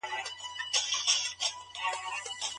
لوی چانس یوازي په استعداد پوري نه سي تړل کېدلای.